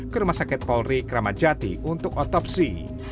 ke rumah sakit polri kramajati untuk otopsi